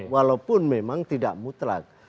walaupun memang tidak mutlak